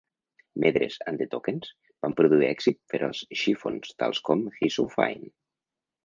Medress and the Tokens van produir èxits per als Chiffons, tals com "He's So Fine".